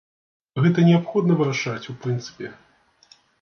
Гэта неабходна вырашаць у прынцыпе.